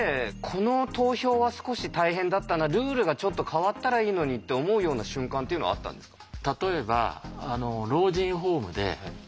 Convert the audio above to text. この投票は少し大変だったなルールがちょっと変わったらいいのにって思うような瞬間っていうのはあったんですか？